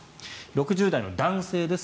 ６０代の男性です。